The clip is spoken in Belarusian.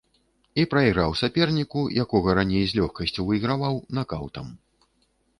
І прайграў саперніку, якога раней з лёгкасцю выйграваў, накаўтам.